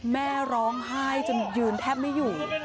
แม่ร้องไห้จนยืนแทบไม่อยู่